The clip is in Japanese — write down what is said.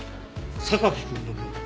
榊くんの分。